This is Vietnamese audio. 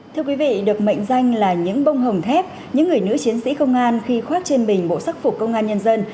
thưa quý vị được mệnh danh là những bông hồng thép những người nữ chiến sĩ công an khi khoác trên mình bộ sắc phục công an nhân dân